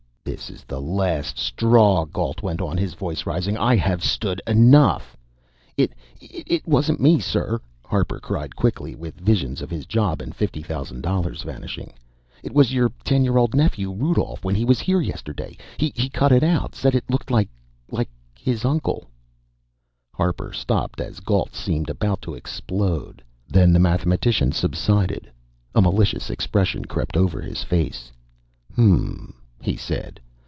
"This is the last straw," Gault went on, his voice rising. "I have stood enough " "It it wasn't me, sir," Harper cried quickly, with visions of his job and $50,000 vanishing. "It was your ten year old nephew, Rudolph, when he was here yesterday. He cut it out, said it looked like like his uncle " Harper stopped as Gault seemed about to explode. Then the mathematician subsided, a malicious expression crept over his face. "H m m," he said.